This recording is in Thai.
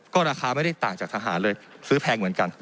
ก็ราคาไม่ได้ต่างจากทหารเลยซื้อแพงเหมือนกัน